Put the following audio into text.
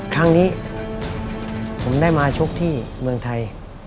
ครั้งนี้ผมได้มาชกที่เมืองไทย